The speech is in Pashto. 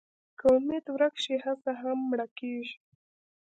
که امېد ورک شي، هڅه هم مړه کېږي.